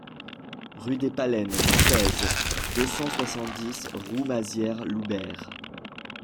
Rue des Paleines, seize, deux cent soixante-dix Roumazières-Loubert